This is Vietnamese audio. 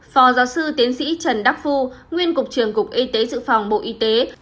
phò giáo sư tiến sĩ trần đắc phu nguyên cục trường cục y tế sự phòng bộ y tế